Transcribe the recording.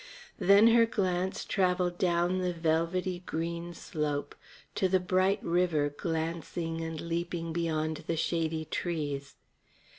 Then her glance travelled down the velvety green slope to the bright river glancing and leaping beyond the shady trees.